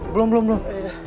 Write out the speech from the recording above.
belum belum belum